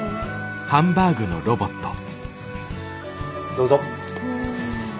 どうぞ。